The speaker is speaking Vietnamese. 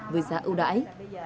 với giá ưu đãi